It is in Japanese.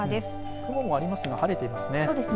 雲はありますが晴れていますね。